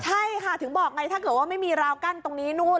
ใช่ค่ะถึงบอกไงถ้าเกิดว่าไม่มีราวกั้นตรงนี้นู่น